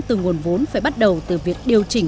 từ nguồn vốn phải bắt đầu từ việc điều chỉnh